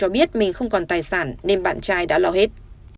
biết mình không còn tài sản nên bạn trai đã lo hết